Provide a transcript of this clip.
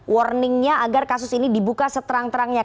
warningnya agar kasus ini dibuka seterang terangnya